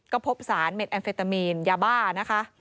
ก็พบสารเม็ดแอมเฟตามีนยาบ้านะคะ